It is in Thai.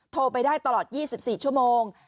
โทรไปได้ตลอด๒๔ชั่วโมง